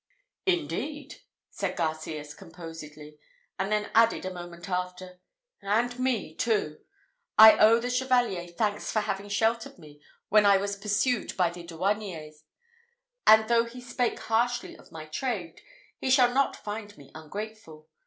"Indeed!" said Garcias, composedly, and then added, a moment after, "and me too. I owe the Chevalier thanks for having sheltered me when I was pursued by the douaniers; and though he spake harshly of my trade, he shall not find me ungrateful.